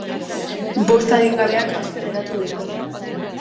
Bost adingabeak aske geratu dira.